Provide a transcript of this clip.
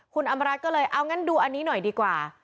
คุณอำรัฐก็เลยเอางั้นดูอันนี้หน่อยดีกว่า